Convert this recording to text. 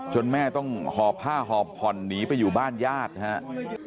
แม่ต้องหอบผ้าหอบผ่อนหนีไปอยู่บ้านญาตินะครับ